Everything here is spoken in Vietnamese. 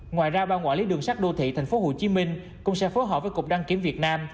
ngoài ra ban quản lý đường sắt đô thị tp hcm cũng sẽ phối hợp với cục đăng kiểm việt nam